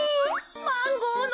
マンゴーの。